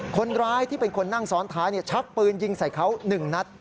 คนร้ายที่เป็นคนนั่งซ้อนท้ายชักปืนยิงใส่เขา๑นัด